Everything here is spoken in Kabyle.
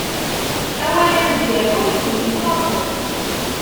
Awal aneggaru iddem-it waḍu.